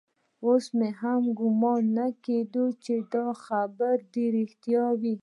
اوس مې هم ګومان نه کېده چې دا خبرې دې رښتيا وي.